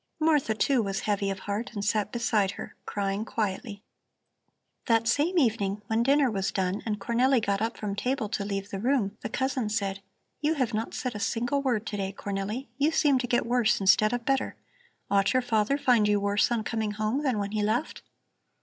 Martha, too, was heavy of heart, and sat beside her, crying quietly. That same evening when dinner was done and Cornelli got up from table to leave the room, the cousin said: "You have not said a single word to day, Cornelli. You seem to get worse instead of better! Ought your father find you worse on coming home than when he left?"